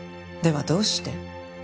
はどうして？